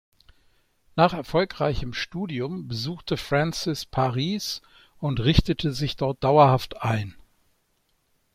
Nach erfolgreichem Studium besuchte Francis Paris und richtete sich dort dauerhaft ein.